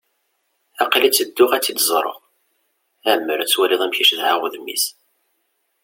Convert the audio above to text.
Aql-i tedduɣ ad tt-id-ẓreɣ. Ammer ad twaliḍ amek i cedhaɣ udem-is.